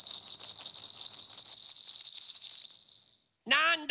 なんだ？